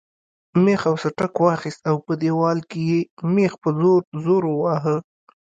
مېخ او سټک واخیست او په دیوال کې یې مېخ په زور زور واهه.